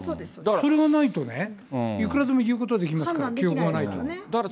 それがないとね、いくらでも言うことができますから、判断できないですからね。